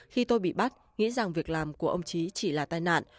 khi tôi bị bắt nghĩ rằng việc làm của ông chí chỉ là tai nạn